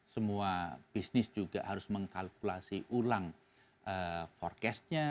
semua bisnis juga harus mengkalkulasi ulang forecastnya